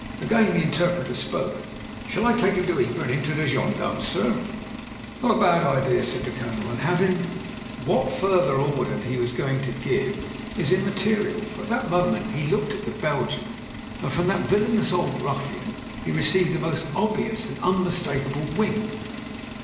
Again the interpreter spoke. "Shall I take 'im to Yper and 'and 'im to the gen darmes, sare?" JIM BRENT'S V.C 135 ''Not a bad idea/' said the Colonel, "and have him " What further order he was going to give is im material, for at that moment he looked at the Belgian, and from that villainous old rufjian he received the most obvious and unmistakable wink.